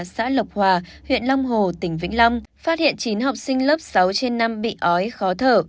xã lộc hòa huyện long hồ tỉnh vĩnh long phát hiện chín học sinh lớp sáu trên năm bị ói khó thở